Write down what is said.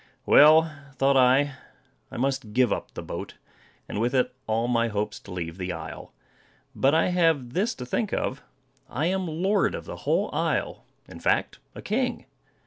"Well," thought I, "I must give up the boat, and with it all my hopes to leave the isle. But I have this to think of: I am lord of the whole isle; in fact, a king.